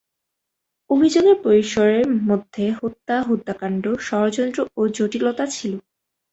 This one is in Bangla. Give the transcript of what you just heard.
অভিযোগের পরিসরের মধ্যে হত্যা, হত্যাকাণ্ড, ষড়যন্ত্র, ও জটিলতা ছিল।